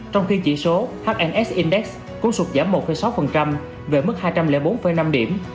trong khi chỉ số hns index cũng sụt giảm một sáu về mức hai trăm linh bốn năm điểm